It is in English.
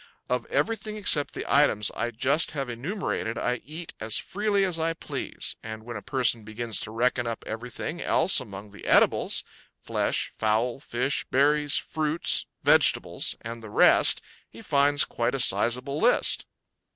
Of everything except the items I just have enumerated I eat as freely as I please. And when a person begins to reckon up everything else among the edibles flesh, fowl, fish, berries, fruits, vegetables and the rest he finds quite a sizable list.